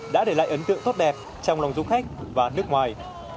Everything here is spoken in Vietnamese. đã để lại ấn tượng tốt đẹp trong lòng du khách và nước ngoài